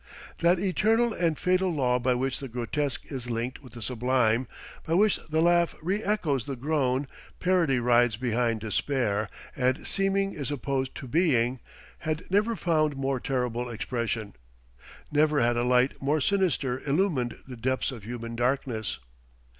That eternal and fatal law by which the grotesque is linked with the sublime by which the laugh re echoes the groan, parody rides behind despair, and seeming is opposed to being had never found more terrible expression. Never had a light more sinister illumined the depths of human darkness.